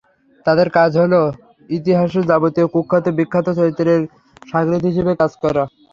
তাদের কাজ হলো ইতিহাসের যাবতীয় কুখ্যাত, বিখ্যাত চরিত্রের শাগরেদ হিসেবে কাজ করা।